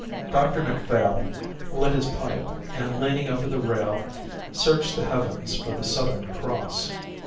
Dr Macphail lit his pipe and, leaning over the rail, searched the heavens for the Southern Cross.